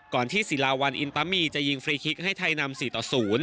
ที่ศิลาวันอินตามีจะยิงฟรีคิกให้ไทยนำ๔ต่อ๐